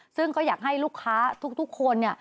ซึ่งก็อยากให้ลูกค้าทุกคน